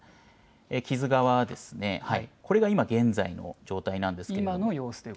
木津川はこれが今、現在の状態なんですけど。